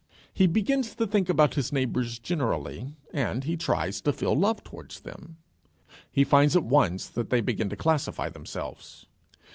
He begins to think about his neighbours generally, and he tries to feel love towards them. He finds at once that they begin to classify themselves.